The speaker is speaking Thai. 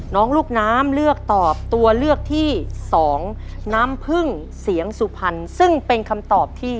ลูกน้ำเลือกตอบตัวเลือกที่สองน้ำพึ่งเสียงสุพรรณซึ่งเป็นคำตอบที่